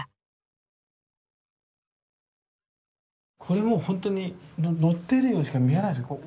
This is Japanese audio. これもうほんとにのってるようにしか見えないですね。